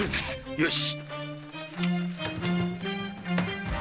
よし。